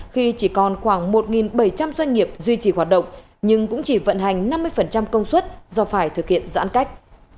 khi chỉ còn khoảng một bảy trăm linh doanh nghiệp duy trì hoạt động nhưng cũng chỉ vận hành năm mươi công suất do phải thực hiện giãn cách